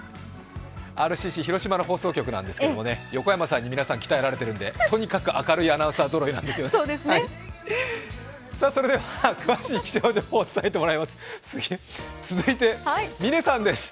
ＲＣＣ、広島の放送局なんですけどね、横山さんに皆さん鍛えられているんでとにかく明るいアナウンサーぞろいなんですよね。